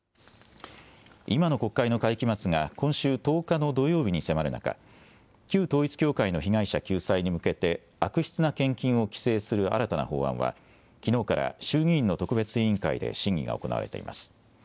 今の国会の会期末が今週１０日の土曜日に迫る中、旧統一教会の被害者救済に向けて、悪質な献金を規制する新たな法案は、きのうから衆議院の特別委員会で審議が行われています。